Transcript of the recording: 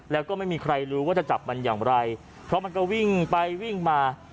แล้วก็ไม่มีใครรู้ว่าจะจับมันอย่างไรเพราะมันก็วิ่งไปวิ่งมา